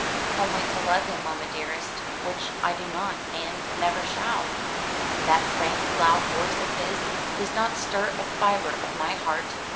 "Only to love him, mamma dearest, which I do not, and never shall. That frank loud voice of his does not stir a fibre of my heart.